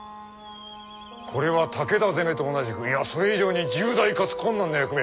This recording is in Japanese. これは武田攻めと同じくいやそれ以上に重大かつ困難な役目。